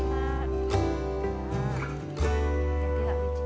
wassalamu'alaikum warahmatullahi wabarakatuh